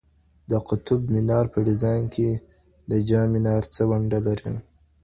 د قطب مینار په ډیزاین کي د جام منار څه ونډه لري؟